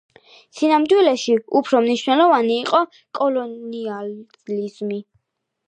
სინამდვილეში, უფრო მნიშვნელოვანი იყო კოლონიალიზმი.